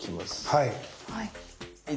はい。